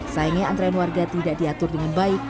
sayangnya antrean warga tidak diatur dengan baik